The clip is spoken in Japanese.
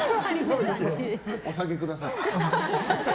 お下げください。